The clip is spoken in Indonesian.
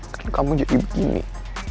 kan kamu jadi begini